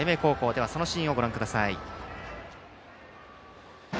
では、そのシーンをご覧ください。